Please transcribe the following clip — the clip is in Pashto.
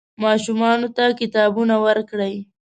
ماشومانو ته کتابونه ورکړئ.